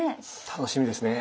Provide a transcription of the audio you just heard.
楽しみですね。